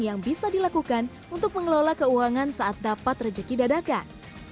yang bisa dilakukan untuk mengelola keuangan saat dapat rejeki dadakan